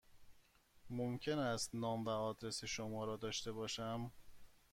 ممکن است نام و آدرس شما را داشته باشم؟